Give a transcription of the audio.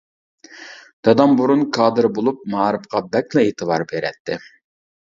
دادام بۇرۇن كادىر بولۇپ مائارىپقا بەكلا ئېتىبار بېرەتتى.